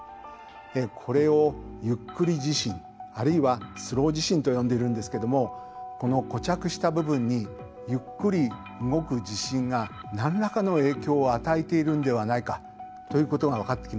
これを「ゆっくり地震」あるいは「スロー地震」と呼んでいるんですけどもこの固着した部分にゆっくり動く地震が何らかの影響を与えているんではないかということが分かってきました。